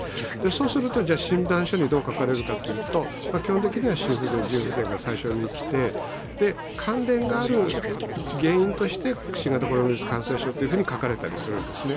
そうすると診断書にどう書かれるかというと、基本的には心不全、腎不全が最初に来て関連がある原因として新型コロナウイルス感染症と書かれたりするんですね。